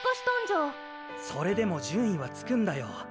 それでも順位はつくんだよ。